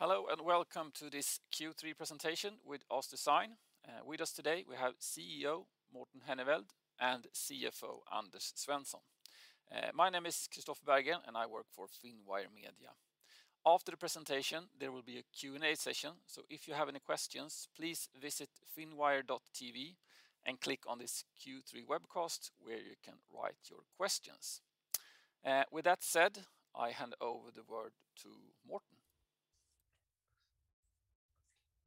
Hello, welcome to this Q3 presentation with OssDsign AB. With us today we have CEO Morten Henneveld and CFO Anders Svensson. My name is Kristofer Berggren and I work for Finwire Media. After the presentation, there will be a Q&A session, so if you have any questions, please visit finwire.tv and click on this Q3 webcast where you can write your questions. With that said, I hand over the word to Morten.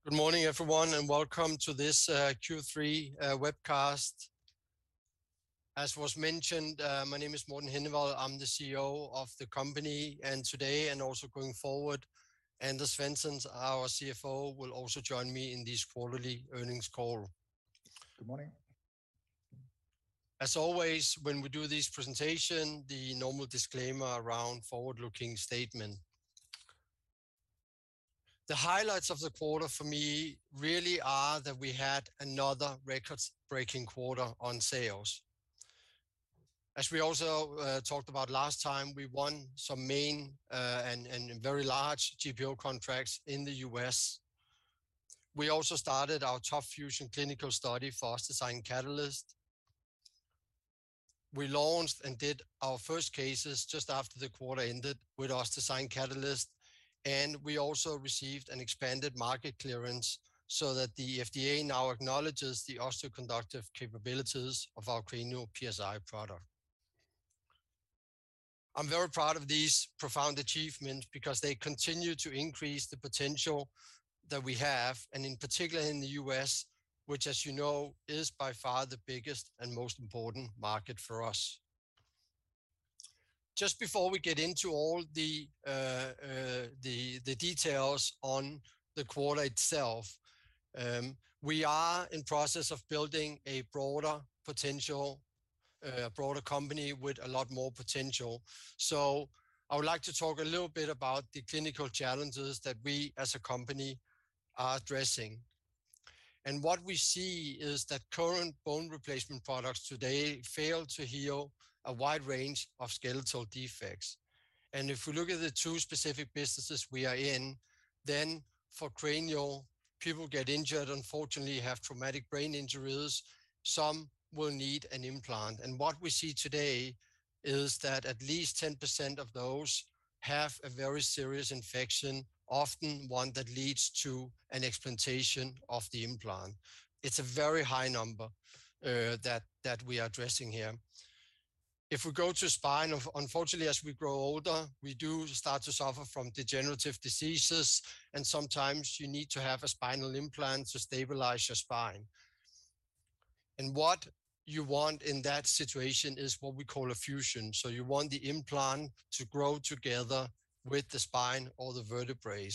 Good morning, everyone, and welcome to this Q3 webcast. As was mentioned, my name is Morten Henneveld, I'm the CEO of the company, and today and also going forward, Anders Svensson, our CFO, will also join me in this quarterly earnings call. Good morning. As always, when we do this presentation, the normal disclaimer around forward-looking statement. The highlights of the quarter for me really are that we had another record-breaking quarter on sales. As we also talked about last time, we won some main and very large GPO contracts in the U.S. We also started our TOP FUSION clinical study for OssDsign Catalyst. We launched and did our first cases just after the quarter ended with OssDsign Catalyst, and we also received an expanded market clearance so that the FDA now acknowledges the osteoconductive capabilities of our OssDsign Cranial PSI product. I'm very proud of these profound achievements because they continue to increase the potential that we have, and in particular in the U.S., which as you know, is by far the biggest and most important market for us. Just before we get into all the details on the quarter itself, we are in process of building a broader potential, broader company with a lot more potential. I would like to talk a little bit about the clinical challenges that we as a company are addressing. What we see is that current bone replacement products today fail to heal a wide range of skeletal defects. If we look at the two specific businesses we are in, then for Cranial, people get injured, unfortunately, have traumatic brain injuries, some will need an implant. What we see today is that at least 10% of those have a very serious infection, often one that leads to an explantation of the implant. It's a very high number that we are addressing here. If we go to Spine, unfortunately, as we grow older, we do start to suffer from degenerative diseases, and sometimes you need to have a spinal implant to stabilize your spine. What you want in that situation is what we call a fusion. You want the implant to grow together with the spine or the vertebrae.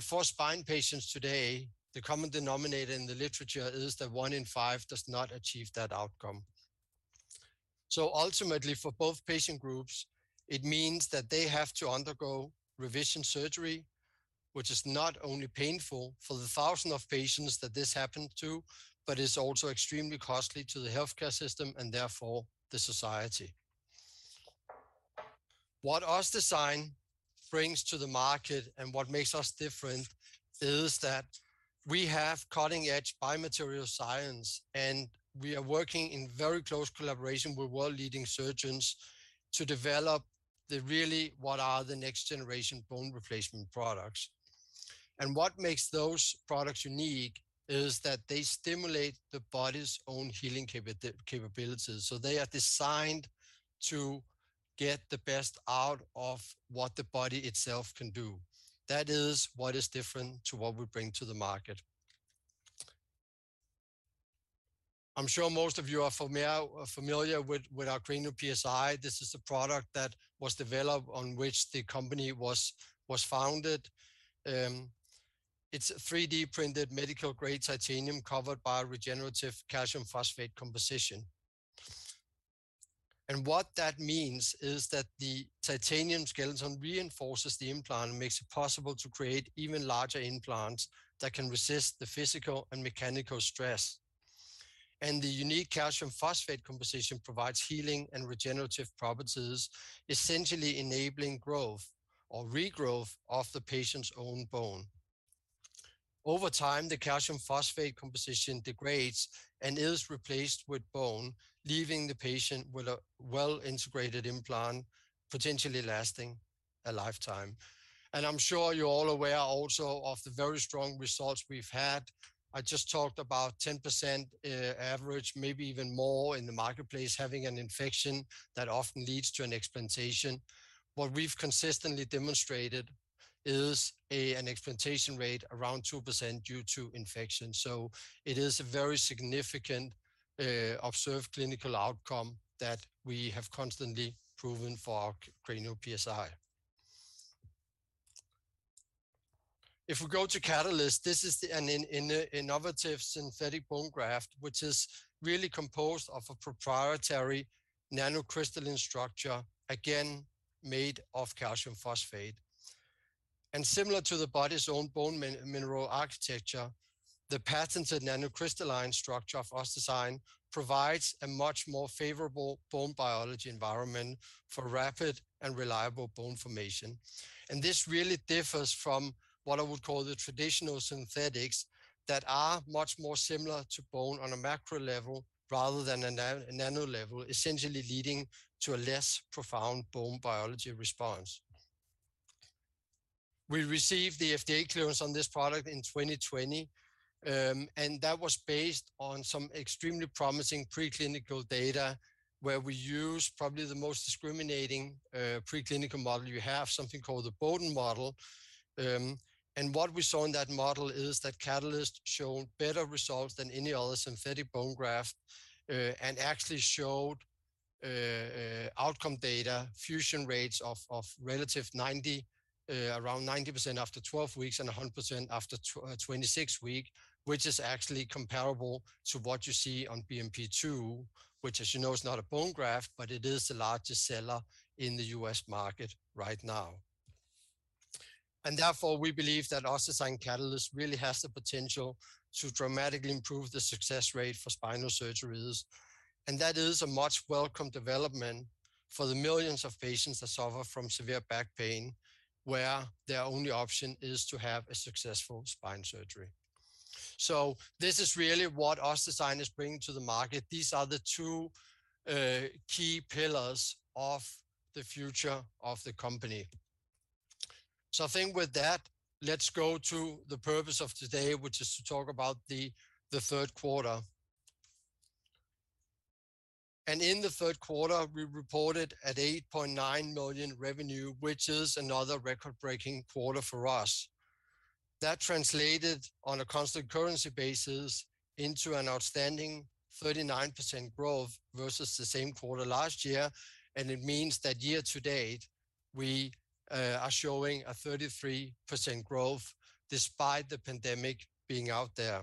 For spine patients today, the common denominator in the literature is that one in five does not achieve that outcome. Ultimately, for both patient groups, it means that they have to undergo revision surgery, which is not only painful for the thousands of patients that this happened to, but is also extremely costly to the healthcare system and therefore the society. What OssDsign brings to the market and what makes us different is that we have cutting-edge biomaterial science, and we are working in very close collaboration with world-leading surgeons to develop the really what are the next generation bone replacement products. What makes those products unique is that they stimulate the body's own healing capabilities. They are designed to get the best out of what the body itself can do. That is what is different to what we bring to the market. I'm sure most of you are familiar with our Cranial PSI. This is a product that was developed on which the company was founded. It's a 3D printed medical-grade titanium covered by a regenerative calcium phosphate composition. What that means is that the titanium skeleton reinforces the implant and makes it possible to create even larger implants that can resist the physical and mechanical stress. The unique calcium phosphate composition provides healing and regenerative properties, essentially enabling growth or regrowth of the patient's own bone. Over time, the calcium phosphate composition degrades and is replaced with bone, leaving the patient with a well-integrated implant, potentially lasting a lifetime. I'm sure you're all aware also of the very strong results we've had. I just talked about 10%, average, maybe even more in the marketplace, having an infection that often leads to an explantation. What we've consistently demonstrated is an explantation rate of around 2% due to infection. It is a very significant, observed clinical outcome that we have constantly proven for our Cranial PSI. If we go to Catalyst, this is an innovative synthetic bone graft, which is really composed of a proprietary nanocrystalline structure, again made of calcium phosphate. Similar to the body's own bone mineral architecture. The patented nanocrystalline structure of OssDsign provides a much more favorable bone biology environment for rapid and reliable bone formation. This really differs from what I would call the traditional synthetics that are much more similar to bone on a macro level rather than a nano level, essentially leading to a less profound bone biology response. We received the FDA clearance on this product in 2020, and that was based on some extremely promising preclinical data where we used probably the most discriminating preclinical model you have, something called the Boden model. What we saw in that model is that Catalyst showed better results than any other synthetic bone graft, and actually showed outcome data fusion rates of relative 90%, around 90% after 12 weeks and 100% after 26 weeks, which is actually comparable to what you see on BMP-2, which as you know, is not a bone graft, but it is the largest seller in the U.S. market right now. Therefore, we believe that OssDsign Catalyst really has the potential to dramatically improve the success rate for spinal surgeries. That is a much welcome development for the millions of patients that suffer from severe back pain where their only option is to have a successful spine surgery. This is really what OssDsign is bringing to the market. These are the two key pillars of the future of the company. I think with that, let's go to the purpose of today, which is to talk about the third quarter. In the third quarter, we reported 8.9 million revenue, which is another record-breaking quarter for us. That translated on a constant currency basis into an outstanding 39% growth versus the same quarter last year. It means that year-to-date we are showing a 33% growth despite the pandemic being out there.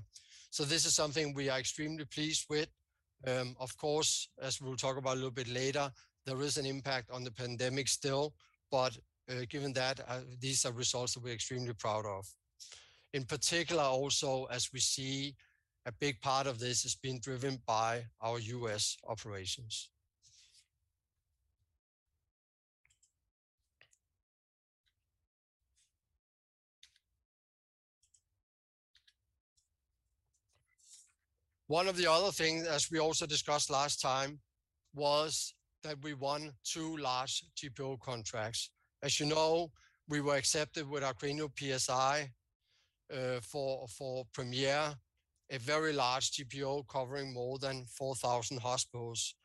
This is something we are extremely pleased with. Of course, as we'll talk about a little bit later, there is an impact on the pandemic still. Given that, these are results that we're extremely proud of. In particular, also, as we see a big part of this is being driven by our U.S. operations. One of the other things, as we also discussed last time, was that we won two large GPO contracts. As you know, we were accepted with our Cranial PSI for Premier, a very large GPO covering more than 4,000 hospitals.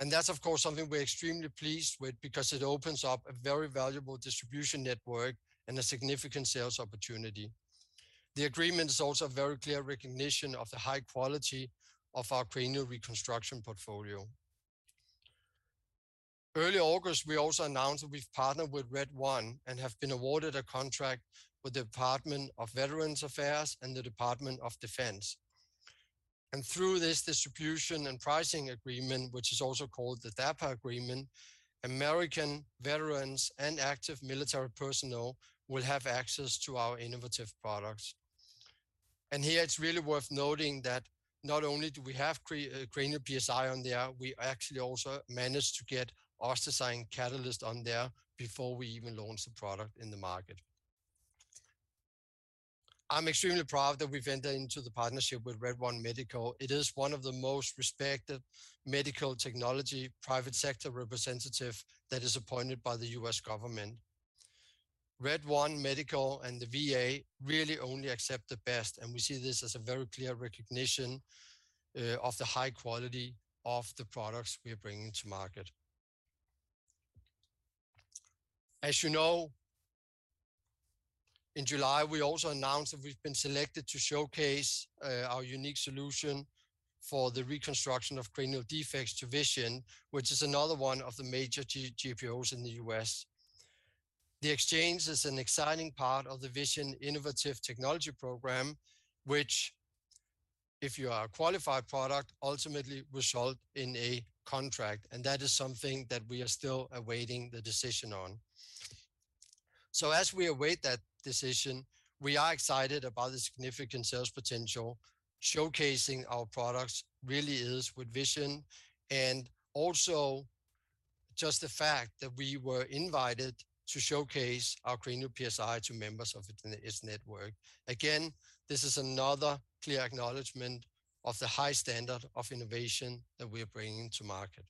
That's of course something we're extremely pleased with because it opens up a very valuable distribution network and a significant sales opportunity. The agreement is also a very clear recognition of the high quality of our Cranial Reconstruction Portfolio. Early August, we also announced that we've partnered with Red One and have been awarded a contract with the Department of Veterans Affairs and the Department of Defense. Through this Distribution and Pricing Agreement, which is also called the DAPA agreement, American veterans and active military personnel will have access to our innovative products. Here it's really worth noting that not only do we have Cranial PSI on there, we actually also managed to get OssDsign Catalyst on there before we even launched the product in the market. I'm extremely proud that we've entered into the partnership with Red One Medical. It is one of the most respected medical technology private sector representative that is appointed by the U.S. government. Red One Medical and the VA really only accept the best, and we see this as a very clear recognition of the high quality of the products we are bringing to market. As you know, in July, we also announced that we've been selected to showcase our unique solution for the reconstruction of cranial defects to Vizient, which is another one of the major GPOs in the U.S. The exchange is an exciting part of the Vizient Innovative Technology Program, which if you are a qualified product, ultimately result in a contract. That is something that we are still awaiting the decision on. As we await that decision, we are excited about the significant sales potential. Showcasing our products really is with Vizient and also just the fact that we were invited to showcase our Cranial PSI to members of its network. Again, this is another clear acknowledgement of the high standard of innovation that we are bringing to market.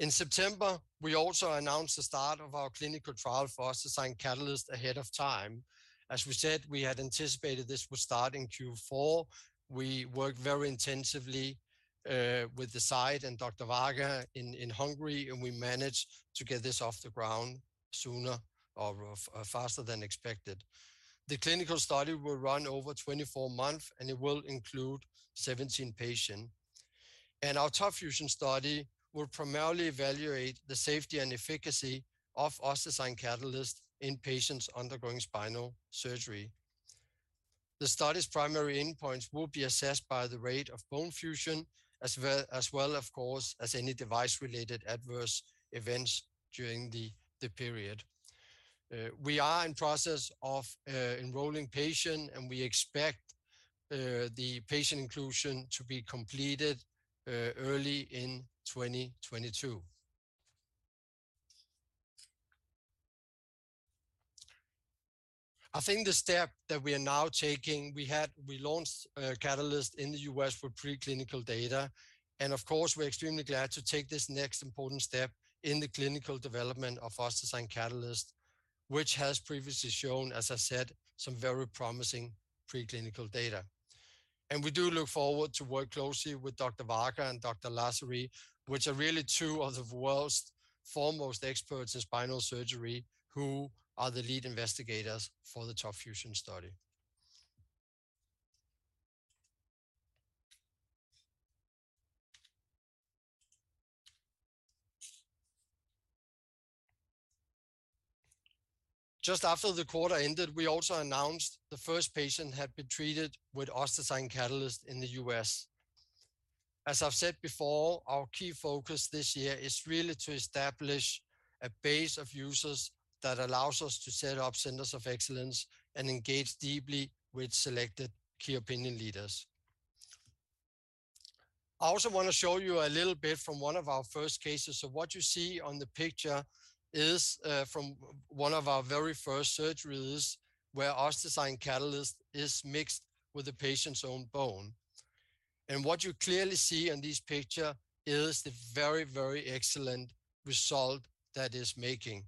In September, we also announced the start of our clinical trial for OssDsign Catalyst ahead of time. As we said, we had anticipated this would start in Q4. We worked very intensively with the site and Dr. Varga in Hungary, and we managed to get this off the ground sooner or faster than expected. The clinical study will run over 24 months, and it will include 17 patients. Our TOP FUSION study will primarily evaluate the safety and efficacy of OssDsign Catalyst in patients undergoing spinal surgery. The study's primary endpoints will be assessed by the rate of bone fusion as well, of course, as any device-related adverse events during the period. We are in the process of enrolling patients, and we expect the patient inclusion to be completed early in 2022. I think the step that we are now taking, we launched Catalyst in the U.S. for preclinical data. Of course, we're extremely glad to take this next important step in the clinical development of OssDsign Catalyst, which has previously shown, as I said, some very promising preclinical data. We do look forward to work closely with Dr. Varga and Dr. Lazary, which are really two of the world's foremost experts in spinal surgery, who are the lead investigators for the TOP FUSION study. Just after the quarter ended, we also announced the first patient had been treated with OssDsign Catalyst in the U.S. As I've said before, our key focus this year is really to establish a base of users that allows us to set up centers of excellence and engage deeply with selected key opinion leaders. I also want to show you a little bit from one of our first cases. What you see on the picture is from one of our very first surgeries where OssDsign Catalyst is mixed with the patient's own bone. What you clearly see in this picture is the very, very excellent result that is making.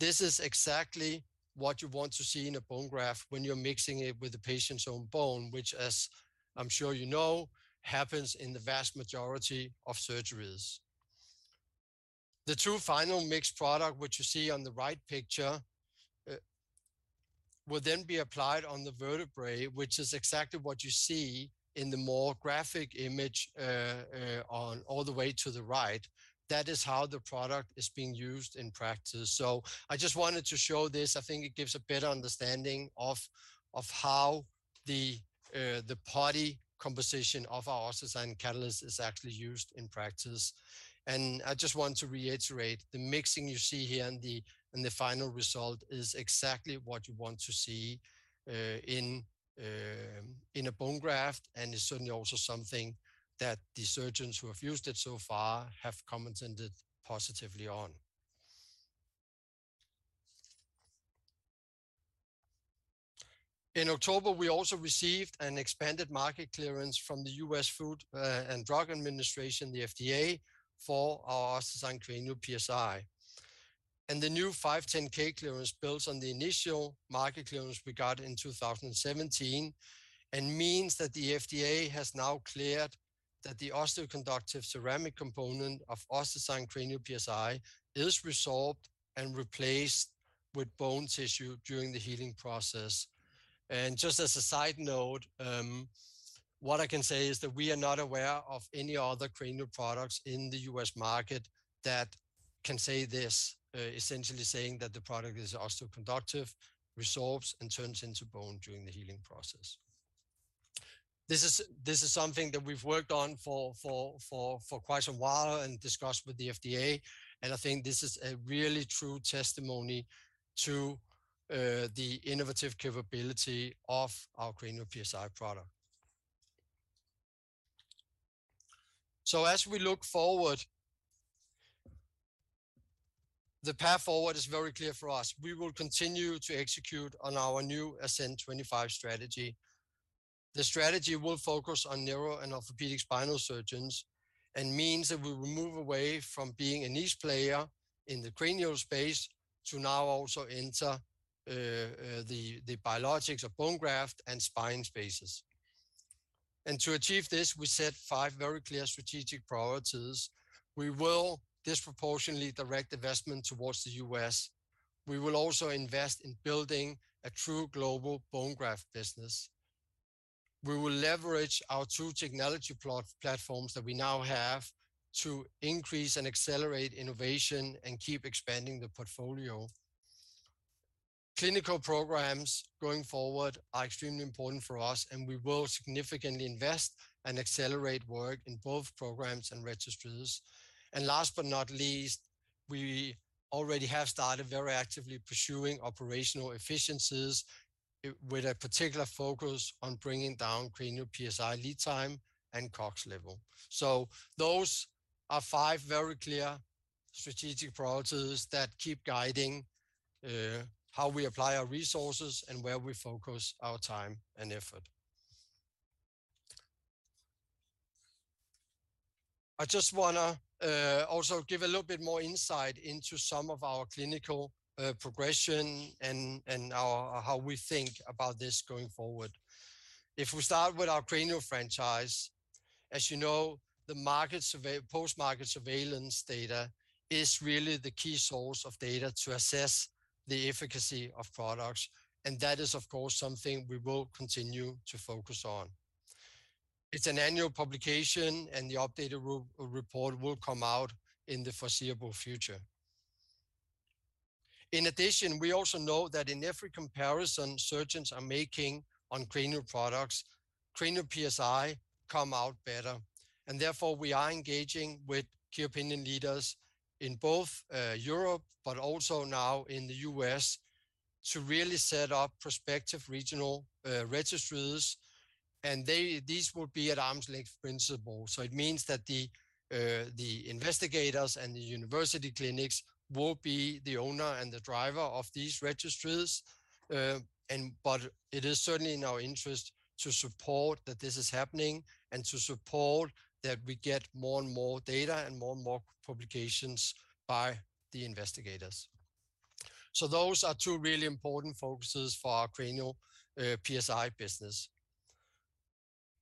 This is exactly what you want to see in a bone graft when you're mixing it with the patient's own bone, which as I'm sure you know, happens in the vast majority of surgeries. The two final mixed products, which you see on the right picture, will then be applied on the vertebrae, which is exactly what you see in the more graphic image on all the way to the right. That is how the product is being used in practice. I just wanted to show this. I think it gives a better understanding of how the particulate composition of our OssDsign Catalyst is actually used in practice. I just want to reiterate, the mixing you see here and the final result is exactly what you want to see in a bone graft. It's certainly also something that the surgeons who have used it so far have commented positively on. In October, we also received an expanded market clearance from the U.S. Food and Drug Administration, the FDA, for our OssDsign Cranial PSI. The new 510(k) clearance builds on the initial market clearance we got in 2017 and means that the FDA has now cleared that the osteoconductive ceramic component of OssDsign Cranial PSI is resorbed and replaced with bone tissue during the healing process. Just as a side note, what I can say is that we are not aware of any other cranial products in the U.S. market that can say this, essentially saying that the product is osteoconductive, resorbs, and turns into bone during the healing process. This is something that we've worked on for quite some while and discussed with the FDA, and I think this is a really true testimony to the innovative capability of our Cranial PSI product. As we look forward, the path forward is very clear for us. We will continue to execute on our new ASCENT25 Strategy. The strategy will focus on neuro and orthopedic spinal surgeons and means that we will move away from being a niche player in the cranial space to now also enter the biologics of bone graft and spine spaces. To achieve this, we set five very clear strategic priorities. We will disproportionately direct investment towards the U.S. We will also invest in building a true Global Bone Graft business. We will leverage our two technology platforms that we now have to increase and accelerate innovation and keep expanding the portfolio. Clinical programs going forward are extremely important for us, and we will significantly invest and accelerate work in both programs and registries. Last but not least, we already have started very actively pursuing operational efficiencies with a particular focus on bringing down Cranial PSI lead time and COGS level. Those are five very clear strategic priorities that keep guiding how we apply our resources and where we focus our time and effort. I just wanna also give a little bit more insight into some of our clinical progression and our how we think about this going forward. If we start with our Cranial franchise, as you know, the post-market surveillance data is really the key source of data to assess the efficacy of products, and that is of course something we will continue to focus on. It's an annual publication, and the updated report will come out in the foreseeable future. In addition, we also know that in every comparison surgeons are making on cranial products, Cranial PSI come out better. Therefore, we are engaging with key opinion leaders in both Europe, but also now in the U.S. to really set up prospective regional registries. These will be at arm's length principle. It means that the investigators and the university clinics will be the owner and the driver of these registries. It is certainly in our interest to support that this is happening and to support that we get more and more data and more and more publications by the investigators. Those are two really important focuses for our Cranial PSI business.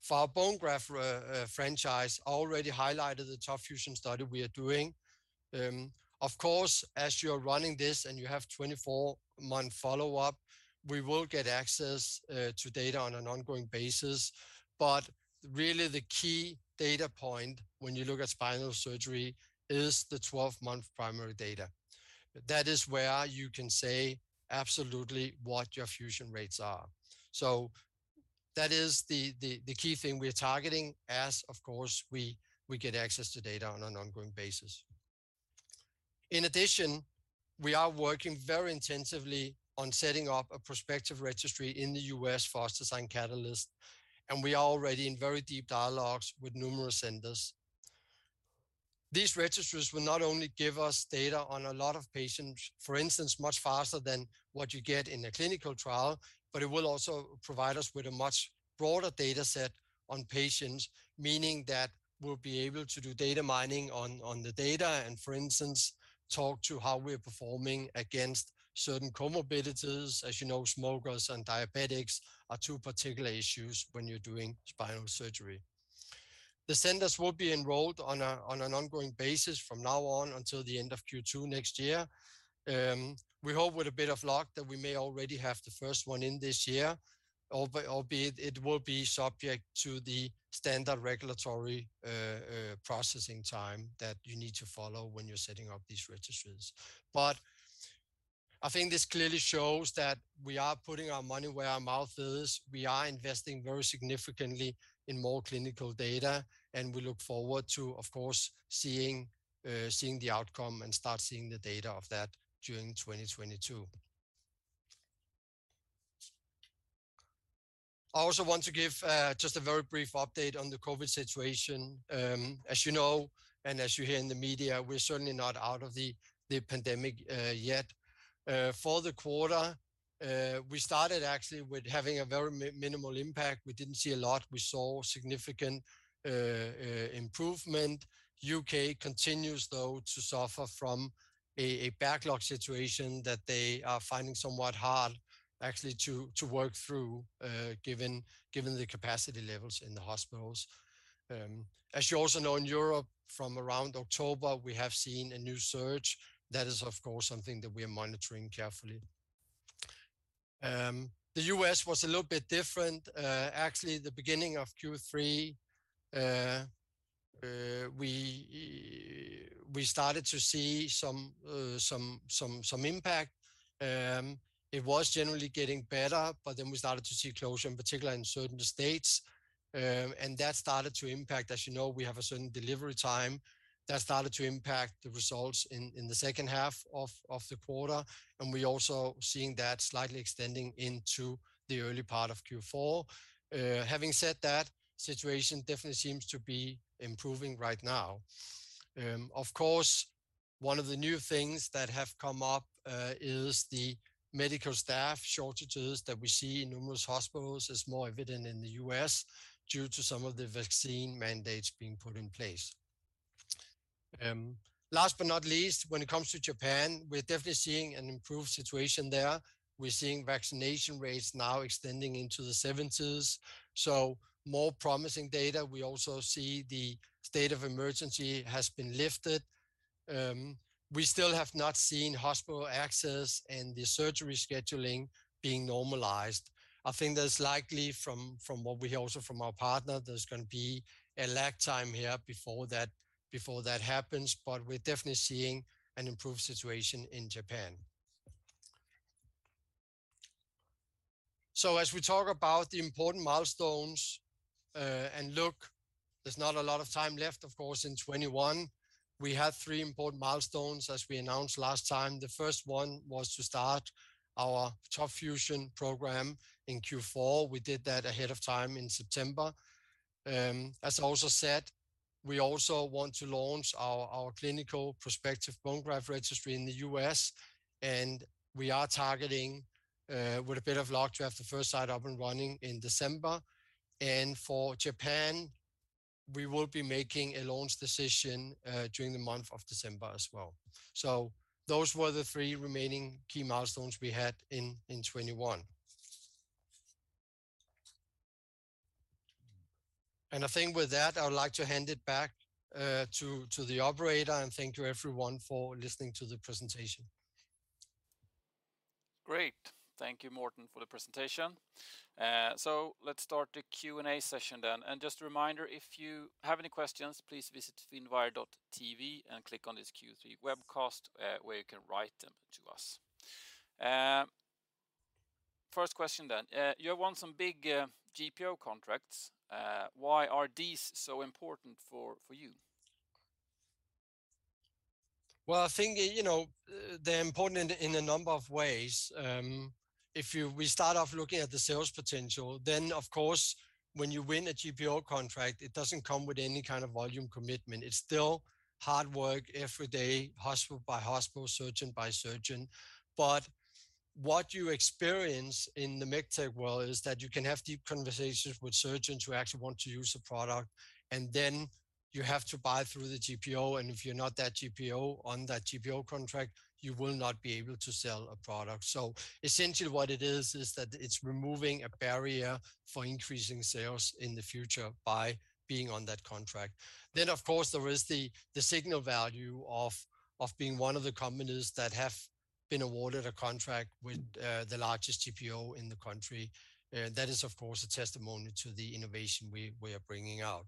For our Bone Graft franchise, already highlighted the TOP FUSION study we are doing. Of course, as you're running this and you have 24-month follow-up, we will get access to data on an ongoing basis. Really the key data point when you look at spinal surgery is the 12-month primary data. That is where you can say absolutely what your fusion rates are. That is the key thing we are targeting as, of course, we get access to data on an ongoing basis. In addition, we are working very intensively on setting up a prospective registry in the U.S. for Astera and Catalyst, and we are already in very deep dialogues with numerous centers. These registries will not only give us data on a lot of patients, for instance, much faster than what you get in a clinical trial, but it will also provide us with a much broader data set on patients, meaning that we'll be able to do data mining on the data and, for instance, talk to how we're performing against certain comorbidities. As you know, smokers and diabetics are two particular issues when you're doing spinal surgery. The centers will be enrolled on an ongoing basis from now on until the end of Q2 next year. We hope with a bit of luck that we may already have the first one in this year, albeit it will be subject to the standard regulatory processing time that you need to follow when you're setting up these registries. I think this clearly shows that we are putting our money where our mouth is. We are investing very significantly in more clinical data, and we look forward to, of course, seeing the outcome and start seeing the data of that during 2022. I also want to give just a very brief update on the COVID situation. As you know, and as you hear in the media, we're certainly not out of the pandemic yet. For the quarter, we started actually with having a very minimal impact. We didn't see a lot. We saw significant improvement. U.K. continues, though, to suffer from a backlog situation that they are finding somewhat hard actually to work through, given the capacity levels in the hospitals. As you also know, in Europe from around October, we have seen a new surge. That is, of course, something that we are monitoring carefully. The U.S. was a little bit different. Actually the beginning of Q3, we started to see some impact. It was generally getting better, but then we started to see closure, in particular in certain states. That started to impact. As you know, we have a certain delivery time. That started to impact the results in the second half of the quarter, and we're also seeing that slightly extending into the early part of Q4. Having said that, situation definitely seems to be improving right now. Of course, one of the new things that have come up is the medical staff shortages that we see in numerous hospitals. It's more evident in the U.S. due to some of the vaccine mandates being put in place. Last but not least, when it comes to Japan, we're definitely seeing an improved situation there. We're seeing vaccination rates now extending into the seventies, so more promising data. We also see the state of emergency has been lifted. We still have not seen hospital access and the surgery scheduling being normalized. I think that's likely from what we hear also from our partner, there's gonna be a lag time here before that happens, but we're definitely seeing an improved situation in Japan. As we talk about the important milestones, and look, there's not a lot of time left, of course, in 2021. We have three important milestones, as we announced last time. The first one was to start our TOP FUSION program in Q4. We did that ahead of time in September. As I also said, we also want to launch our clinical prospective bone graft registry in the U.S., and we are targeting with a bit of luck to have the first site up and running in December. For Japan, we will be making a launch decision during the month of December as well. Those were the three remaining key milestones we had in 2021. I think with that, I would like to hand it back to the operator and thank you everyone for listening to the presentation. Great. Thank you, Morten, for the presentation. Let's start the Q&A session. Just a reminder, if you have any questions, please visit finwire.tv and click on this Q3 webcast, where you can write them to us. First question. You have won some big GPO contracts. Why are these so important for you? Well, I think, you know, they're important in a number of ways. If you—we start off looking at the sales potential, then of course, when you win a GPO contract, it doesn't come with any kind of volume commitment. It's still hard work every day, hospital by hospital, surgeon by surgeon. What you experience in the MedTech world is that you can have deep conversations with surgeons who actually want to use the product, and then you have to buy through the GPO, and if you're not that GPO on that GPO contract, you will not be able to sell a product. Essentially what it is that it's removing a barrier for increasing sales in the future by being on that contract. Of course, there is the signal value of being one of the companies that have been awarded a contract with the largest GPO in the country. Of course, that is a testimony to the innovation we are bringing out.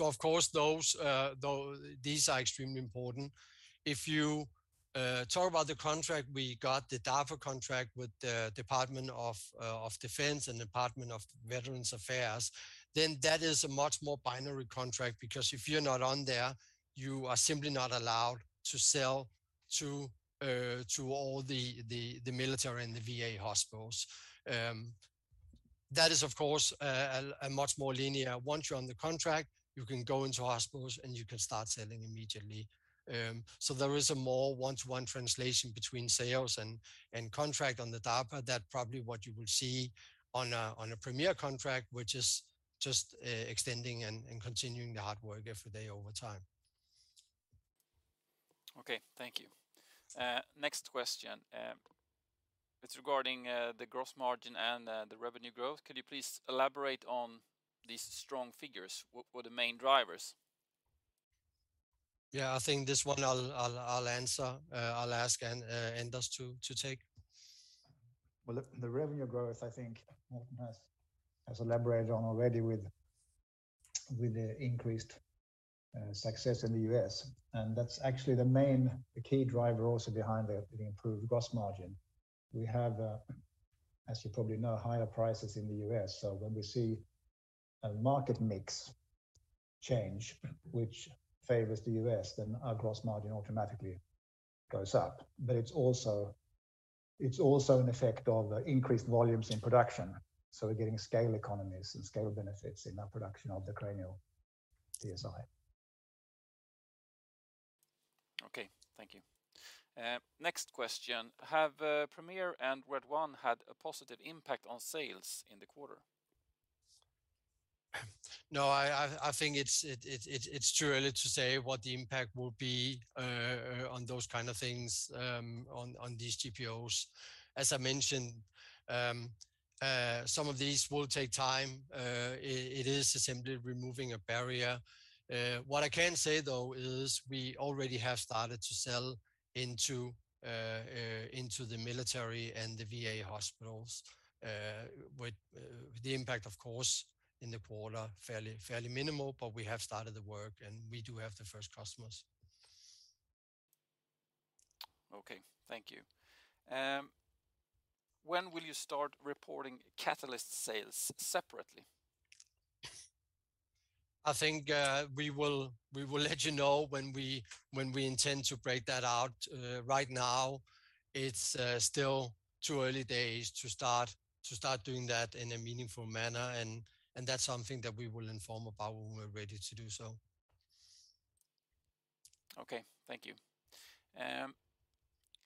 Of course, these are extremely important. If you talk about the contract, we got the DAPA contract with the Department of Defense and Department of Veterans Affairs, then that is a much more binary contract because if you're not on there, you are simply not allowed to sell to all the military and the VA hospitals. That is of course a much more linear. Once you're on the contract, you can go into hospitals, and you can start selling immediately. There is a more one-to-one translation between sales and contract on the DAPA than what you will see on a Premier contract, which is just extending and continuing the hard work every day over time. Okay. Thank you. Next question, it's regarding the gross margin and the revenue growth. Could you please elaborate on these strong figures? What were the main drivers? Yeah. I think this one I'll answer. I'll ask Anders to take. Well, the revenue growth, I think Morten has elaborated on already with the increased success in the U.S., and that's actually the main key driver also behind the improved gross margin. We have, as you probably know, higher prices in the U.S. When we see a market mix change which favors the U.S., then our gross margin automatically goes up. It's also an effect of increased volumes in production. We're getting scale economies and scale benefits in our production of the Cranial PSI. Okay. Thank you. Next question. Have Premier and Red One had a positive impact on sales in the quarter? No, I think it's too early to say what the impact will be on those kind of things on these GPOs. As I mentioned, some of these will take time. It is simply removing a barrier. What I can say, though, is we already have started to sell into the military and the VA hospitals with the impact of course in the quarter fairly minimal, but we have started the work, and we do have the first customers. Okay. Thank you. When will you start reporting Catalyst sales separately? I think we will let you know when we intend to break that out. Right now it's still too early days to start doing that in a meaningful manner, and that's something that we will inform about when we're ready to do so. Okay. Thank you.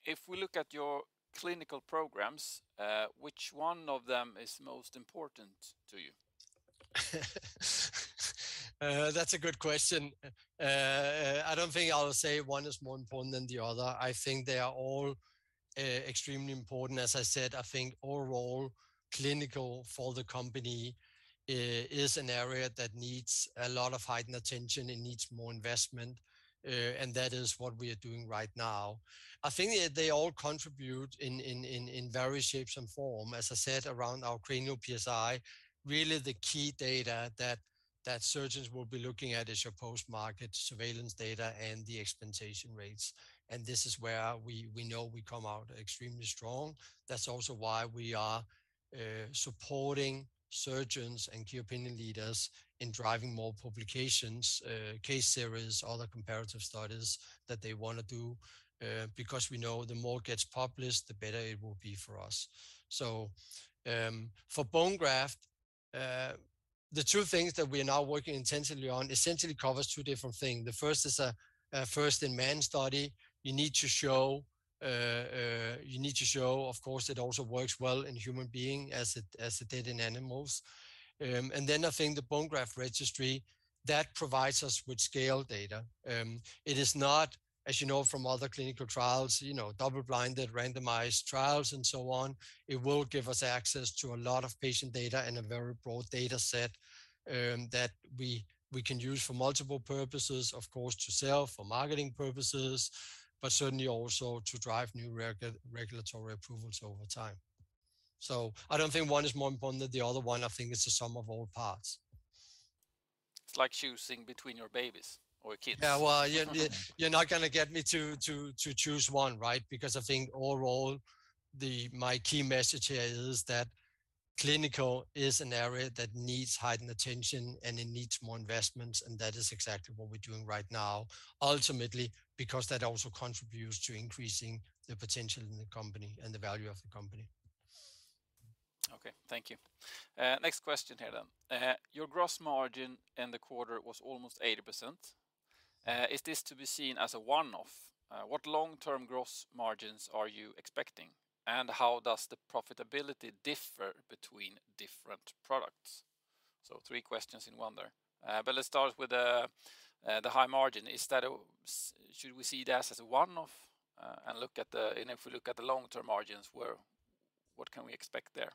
If we look at your clinical programs, which one of them is most important to you? That's a good question. I don't think I'll say one is more important than the other. I think they are all extremely important. As I said, I think overall clinical for the company is an area that needs a lot of heightened attention and needs more investment, and that is what we are doing right now. I think they all contribute in various shapes and form. As I said, around our Cranial PSI, really the key data that surgeons will be looking at is your post-market surveillance data and the explantation rates, and this is where we know we come out extremely strong. That's also why we are supporting surgeons and key opinion leaders in driving more publications, case series, other comparative studies that they wanna do, because we know the more it gets published, the better it will be for us. For bone graft, the two things that we are now working intensively on essentially covers two different things. The first is a first-in-man study. You need to show, of course, it also works well in human being as it did in animals. I think the bone graft registry that provides us with scale data. It is not, as you know from other clinical trials, double-blinded randomized trials and so on. It will give us access to a lot of patient data and a very broad data set, that we can use for multiple purposes, of course, to sell for marketing purposes, but certainly also to drive new regulatory approvals over time. I don't think one is more important than the other one. I think it's the sum of all parts. It's like choosing between your babies or kids. Yeah. Well, you're not gonna get me to choose one, right? Because I think overall my key message here is that clinical is an area that needs heightened attention, and it needs more investments, and that is exactly what we're doing right now, ultimately, because that also contributes to increasing the potential in the company and the value of the company. Okay, thank you. Next question here then. Your gross margin in the quarter was almost 80%. Is this to be seen as a one-off? What long-term gross margins are you expecting, and how does the profitability differ between different products? So three questions in one there. But let's start with the high margin. Should we see that as a one-off, and if we look at the long-term margins, what can we expect there?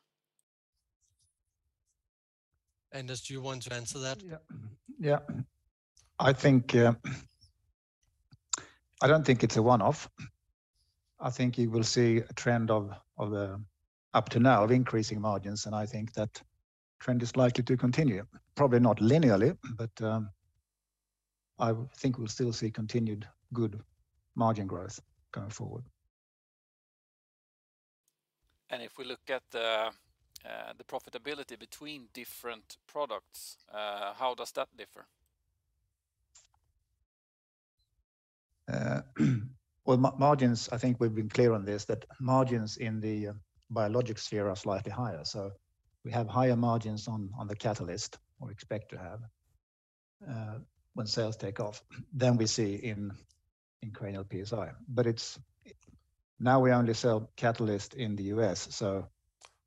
Anders, do you want to answer that? Yeah. Yeah. I think I don't think it's a one-off. I think you will see a trend of up to now of increasing margins, and I think that trend is likely to continue. Probably not linearly, but I think we'll still see continued good margin growth going forward. If we look at the profitability between different products, how does that differ? Margins, I think we've been clear on this, that margins in the biologics sphere are slightly higher. We have higher margins on the Catalyst, or expect to have, when sales take off, than we see in Cranial PSI. It's now we only sell Catalyst in the U.S., so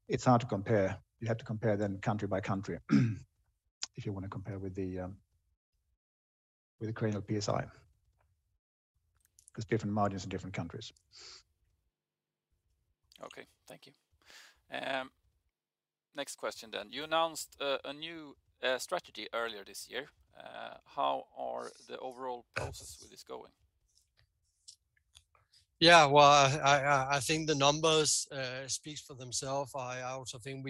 it's hard to compare. You have to compare them country by country if you wanna compare with the Cranial PSI. There's different margins in different countries. Okay, thank you. Next question. You announced a new strategy earlier this year. How are the overall progress with this going? Yeah. Well, I think the numbers speak for themselves. I also think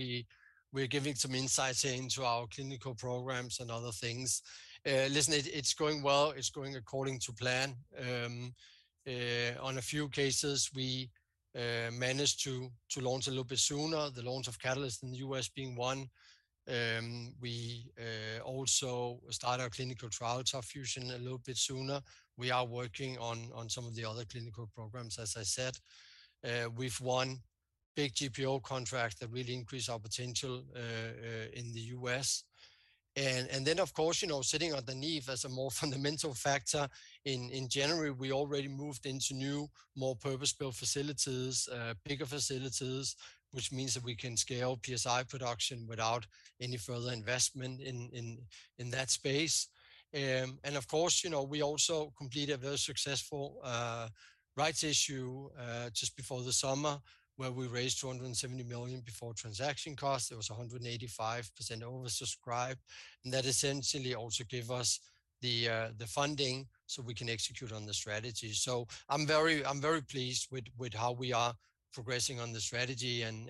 we're giving some insights into our clinical programs and other things. It's going well. It's going according to plan. In a few cases we managed to launch a little bit sooner, the launch of Catalyst in the U.S. being one. We also start our clinical trials of TOP FUSION a little bit sooner. We are working on some of the other clinical programs, as I said. We've won big GPO contract that will increase our potential in the U.S. Then of course, you know, sitting underneath as a more fundamental factor, in January we already moved into new, more purpose-built facilities, bigger facilities, which means that we can scale PSI production without any further investment in that space. Of course, you know, we also completed a very successful rights issue just before the summer, where we raised 270 million before transaction costs. It was 185% oversubscribed. That essentially also give us the funding, so we can execute on the strategy. I'm very pleased with how we are progressing on the strategy and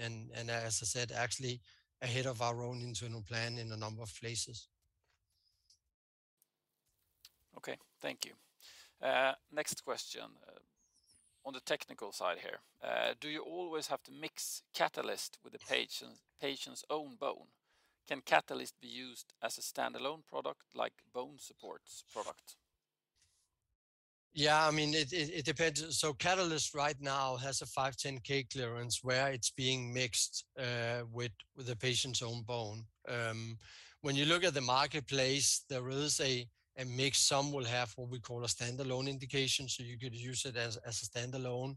as I said, actually ahead of our own internal plan in a number of places. Okay, thank you. Next question, on the technical side here. Do you always have to mix Catalyst with the patient's own bone? Can Catalyst be used as a standalone product like BONESUPPORT's product? Yeah, I mean, it depends. Catalyst right now has a 510(k) clearance where it's being mixed with a patient's own bone. When you look at the marketplace, there is a mix. Some will have what we call a standalone indication, so you could use it as a standalone.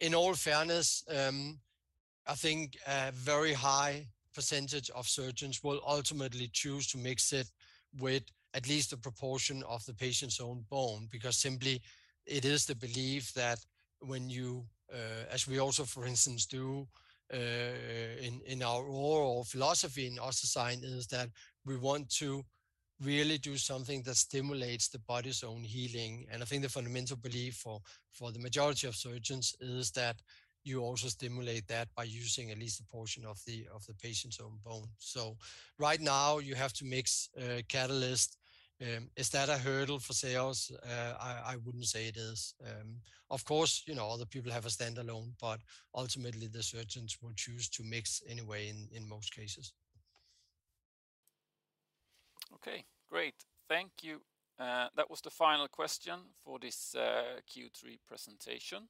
In all fairness, I think a very high percentage of surgeons will ultimately choose to mix it with at least a proportion of the patient's own bone because simply it is the belief that when you as we also for instance do in our overall philosophy in OssDsign is that we want to really do something that stimulates the body's own healing. I think the fundamental belief for the majority of surgeons is that you also stimulate that by using at least a portion of the patient's own bone. Right now you have to mix Catalyst. Is that a hurdle for sales? I wouldn't say it is. Of course, you know, other people have a standalone, but ultimately the surgeons will choose to mix anyway in most cases. Okay, great. Thank you. That was the final question for this Q3 presentation.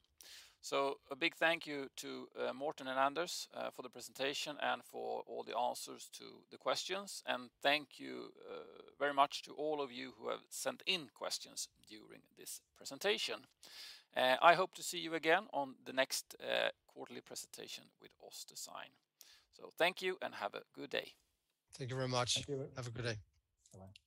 A big thank you to Morten and Anders for the presentation and for all the answers to the questions. Thank you very much to all of you who have sent in questions during this presentation. I hope to see you again on the next quarterly presentation with OssDsign AB. Thank you and have a good day. Thank you very much. Thank you. Have a good day. Bye.